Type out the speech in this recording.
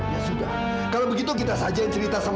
ya sudah kalau begitu kita saja yang ceritakan